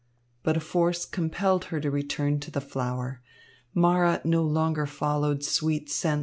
But a force compelled her to return to the flower. Mara no longer followed sweet scents.